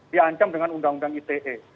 diancam dengan undang undang ite